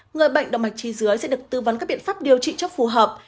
người bệnh động mạch chi dưới sẽ được tư vấn các biện pháp điều trị cho phù hợp